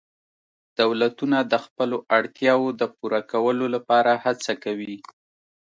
دولتونه د خپلو اړتیاوو د پوره کولو لپاره هڅه کوي